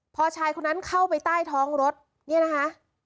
พอชายคนนั้นเข้าไปใต้ท้องรถเนี่ยนะคะ